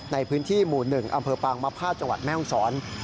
ในพื้นที่หมู่๑อำเภอปางมภาษจังหวัดแม่ห้องศร